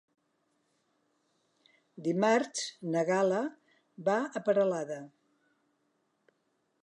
Dimarts na Gal·la va a Peralada.